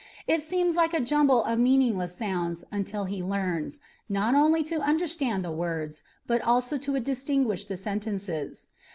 It seems like a jumble of meaningless sounds until he learns, not only to understand the words, but also to distinguish the sentences.